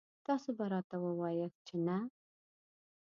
تاسو به راته وواياست چې نه.